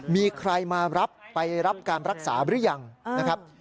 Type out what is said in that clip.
มีใครมารับไปรับการรักษาหรือยังนะครับ